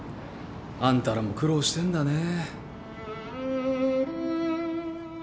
あんたらも苦労してんだね。